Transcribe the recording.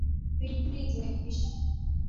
Pilipili zimekwisha.